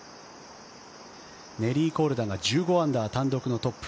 ネリー・コルダが１５アンダー単独のトップ。